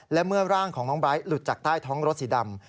และเมื่อร่างของน้องไบร์ทหลุดจากใต้ท้องรถสีดำ